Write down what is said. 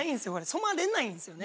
染まれないんですよね。